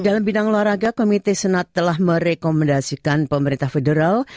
dalam bidang olahraga komite senat telah merekomendasikan pemerintah federal